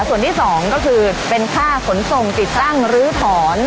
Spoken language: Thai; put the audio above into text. ส่วนที่๒เป็นค่าสนทรงติดตั้งลื้อถอน